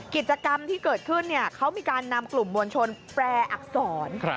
กิจกรรมที่เกิดขึ้นเขามีการนำกลุ่มมวลชนแปรอักษร